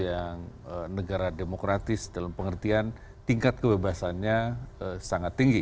yang negara demokratis dalam pengertian tingkat kebebasannya sangat tinggi